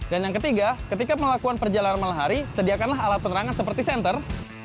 dan yang ketiga ketika melakukan perjalanan malam hari sediakanlah alat penerangan seperti senter